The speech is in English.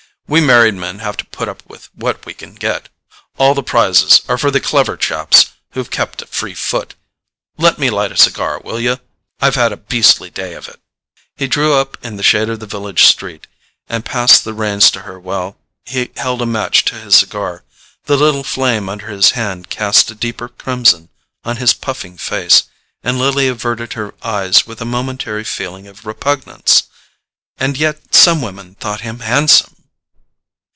We married men have to put up with what we can get: all the prizes are for the clever chaps who've kept a free foot. Let me light a cigar, will you? I've had a beastly day of it." He drew up in the shade of the village street, and passed the reins to her while he held a match to his cigar. The little flame under his hand cast a deeper crimson on his puffing face, and Lily averted her eyes with a momentary feeling of repugnance. And yet some women thought him handsome!